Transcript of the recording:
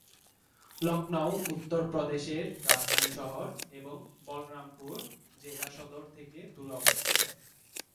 লখনউ উত্তরপ্রদেশের রাজধানী শহর এবং বলরামপুর জেলা সদর থেকে দূরে অবস্থিত।